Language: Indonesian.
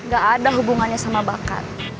gak ada hubungannya sama bakat